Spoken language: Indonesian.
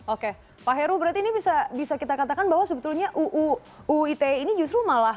oke pak heru berarti ini bisa kita katakan bahwa sebetulnya uu ite ini justru malah